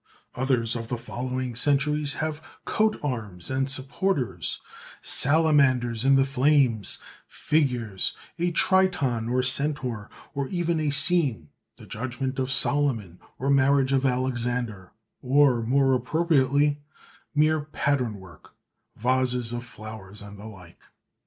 Others, of the following centuries, have coat arms and supporters, salamanders in the flames, figures, a triton or centaur, or even a scene, the Judgment of Solomon, or Marriage of Alexander, or, more appropriately, mere pattern work, vases of flowers and the like.